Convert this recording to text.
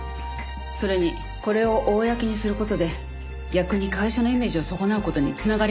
それにこれを公にする事で逆に会社のイメージを損なう事に繋がりかねませんから。